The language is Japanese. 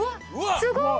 すごーい！